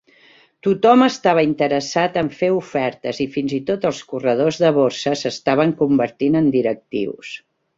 Tothom estava interessat en fer ofertes i fins i tot els corredors de borsa s"estaven convertint en directius.